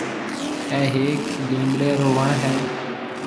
اَي هيَڪ نيمٻڙي رو وڻ هيَ۔